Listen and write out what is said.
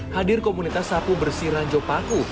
hadir komunitas sapu bersih ranjau paku